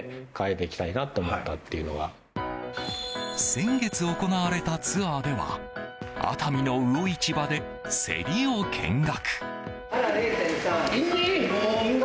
先月行われたツアーでは熱海の魚市場で競りを見学。